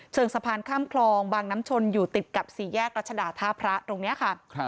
สะพานข้ามคลองบางน้ำชนอยู่ติดกับสี่แยกรัชดาท่าพระตรงนี้ค่ะ